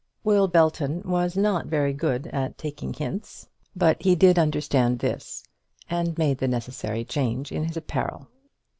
Will Belton was not very good at taking hints; but he did understand this, and made the necessary change in his apparel.